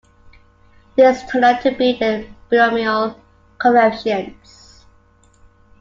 These turn out to be the binomial coefficients.